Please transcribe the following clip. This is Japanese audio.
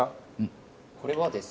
これはですね